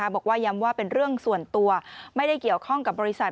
บอกว่าย้ำว่าเป็นเรื่องส่วนตัวไม่ได้เกี่ยวข้องกับบริษัท